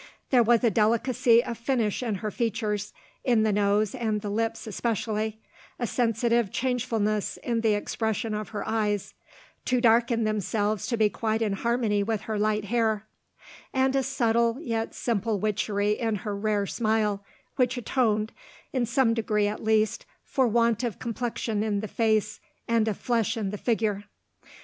There was a delicacy of finish in her features in the nose and the lips especially a sensitive changefulness in the expression of her eyes (too dark in themselves to be quite in harmony with her light hair), and a subtle yet simple witchery in her rare smile, which atoned, in some degree at least, for want of complexion in the face and of flesh in the figure.